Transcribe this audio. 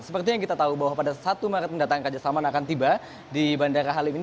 seperti yang kita tahu bahwa pada satu maret mendatang raja salman akan tiba di bandara halim ini